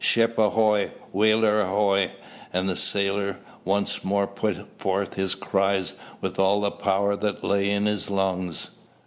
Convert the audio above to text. Ship ahoy! whaler ahoy!" And the sailor once more put forth his cries with all the power that lay in his lungs.